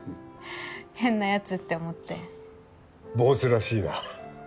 変なやつって思って坊主らしいな